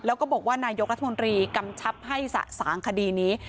แล้วก็บอกว่านายกรัฐมนตรีกำชับให้สะสางคดีนี้